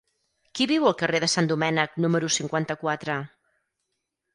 Qui viu al carrer de Sant Domènec número cinquanta-quatre?